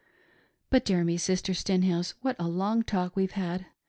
But, dear me, Sister Stenhouse, what a long talk we've had